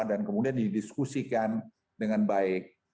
dan kemudian didiskusikan dengan baik